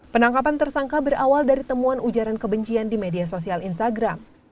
penangkapan tersangka berawal dari temuan ujaran kebencian di media sosial instagram